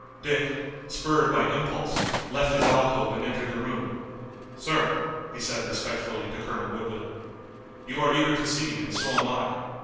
Dick, spurred by impulse, left his alcove and entered the room. "Sir," he said respectfully to Colonel Woodville, "you are eager to see, and so am I.